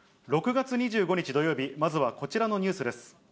６月２５日土曜日、まずはこちらのニュースです。